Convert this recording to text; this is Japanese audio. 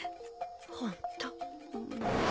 ホント。